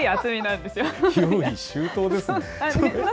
用意周到ですね。